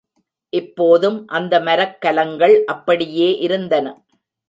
இப்போதும் அந்த மரக்கலங்கள் அப்படியே இருந்தன.